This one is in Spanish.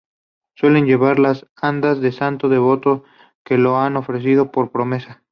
Suelen llevar las andas del santo devotos que lo han ofrecido por promesa.